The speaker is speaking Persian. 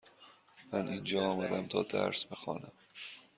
من اینجا آمدم تا درس بخوانم.